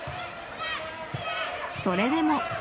それでも。